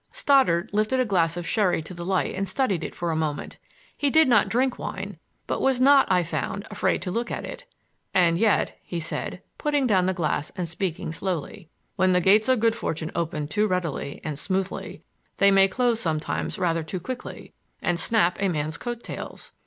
Stoddard lifted a glass of sherry to the light and studied it for a moment. He did not drink wine, but was not, I found, afraid to look at it. "And yet," he said, putting down the glass and speaking slowly, "when the gates of good fortune open too readily and smoothly, they may close sometimes rather too quickly and snap a man's coat tails.